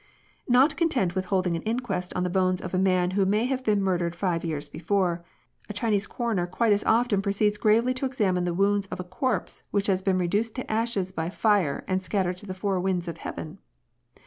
Not content with holding an inquest on the bones of a man who may have been mm dered five years before, a Chinese coroner quite as often proceeds gravely to examine the wounds of a corpse which has been reduced to ashes by fire and scattered to the four winds of heaven.